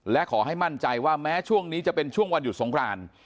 และขอให้มั่นใจว่าแม้ช่วงนี้จะเป็นช่วงวันหยุดสงคราน